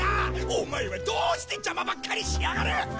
オマエはどうして邪魔ばっかりしやがる！